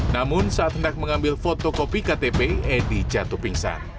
namun saat hendak mengambil fotokopi ktp edi jatuh pingsan